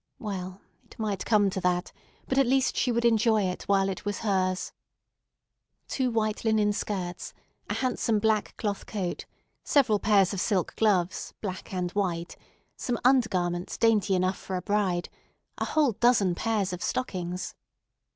Well, it might come to that, but at least she would enjoy it while it was hers. Two white linen skirts, a handsome black cloth coat, several pairs of silk gloves, black and white, some undergarments dainty enough for a bride, a whole dozen pairs of stockings!